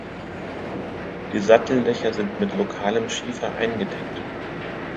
Die Satteldächer sind mit lokalem Schiefer eingedeckt.